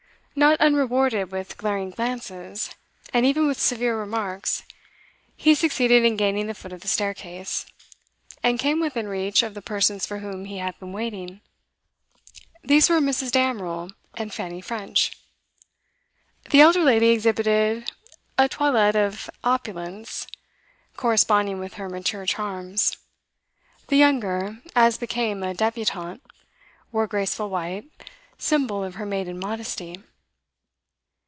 Not unrewarded with glaring glances, and even with severe remarks, he succeeded in gaining the foot of the staircase, and came within reach of the persons for whom he had been waiting. These were Mrs. Damerel and Fanny French. The elder lady exhibited a toilet of opulence corresponding with her mature charms; the younger, as became a debutante, wore graceful white, symbol of her maiden modesty.